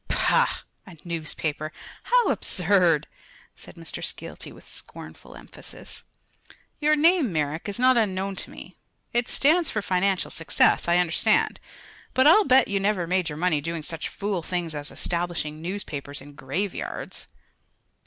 "Pah! a newspaper. How absurd," said Mr. Skeelty with scornful emphasis. "Your name, Merrick, is not unknown to me. It stands for financial success, I understand; but I'll bet you never made your money doing such fool things as establishing newspapers in graveyards."